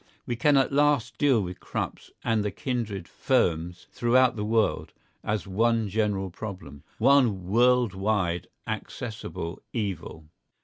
We can at last deal with Krupps and the kindred firms throughout the world as one general problem, one worldwide accessible evil.